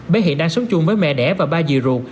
bé hiện đang sống chung với mẹ đẻ và ba dì ruột